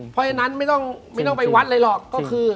เพราะฉะนั้นไม่ต้องวัดอะไรหรอก